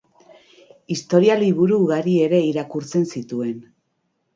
Historia liburu ugari ere irakurtzen zituen.